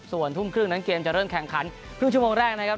ส่วนทุ่มครึ่งนั้นเกมจะเริ่มแข่งขันครึ่งชั่วโมงแรกนะครับ